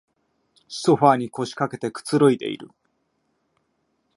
ソファーに腰かけてくつろいでいる